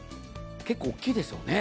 結構大きいですよね。